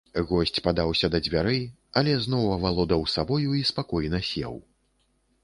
Госць падаўся да дзвярэй, але зноў авалодаў сабою і спакойна сеў.